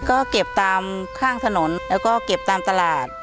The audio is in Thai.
ก็เก็บตามข้างถนนแล้วก็เก็บตามตลาด